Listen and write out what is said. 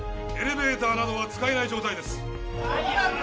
エレベーターなどは使えない状態です。